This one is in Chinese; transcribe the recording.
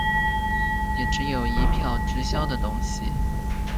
也只有一票直销的东西